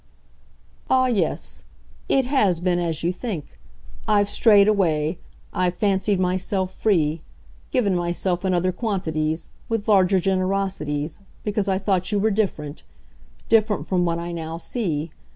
"Ah yes, it HAS been as you think; I've strayed away, I've fancied myself free, given myself in other quantities, with larger generosities, because I thought you were different different from what I now see.